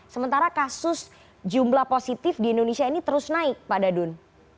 sementara kasus jumlah positif di indonesia ini terus naik pak dadun